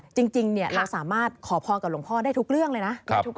จริงเราสามารถขอพรกับหลวงพ่อได้ทุกเรื่องเลยนะ